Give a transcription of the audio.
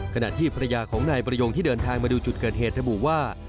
ขณะที่ภรรยาของนายประโยงที่เดินทางมาดูจุดเกิดเหตุระบุว่า